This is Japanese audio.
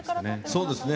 そうですね。